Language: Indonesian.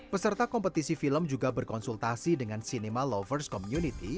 peserta kompetisi film juga berkonsultasi dengan cinema lovers community